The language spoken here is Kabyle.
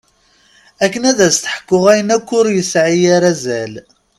Akken ad s-teḥku ayen akk ur yesɛi ara azal.